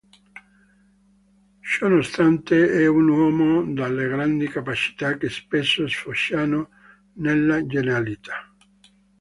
Ciononostante, è un uomo dalle grandi capacità che spesso sfociano nella genialità.